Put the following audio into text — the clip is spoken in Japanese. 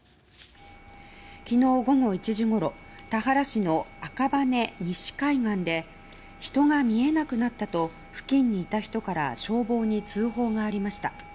昨日午後１時ごろ田原市の赤羽根西海岸で人が見えなくなったと付近にいた人から消防に通報がありました。